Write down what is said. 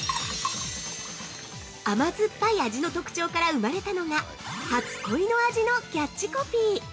◆甘酸っぱい味の特徴から生まれたのが「初恋の味」のキャッチコピー。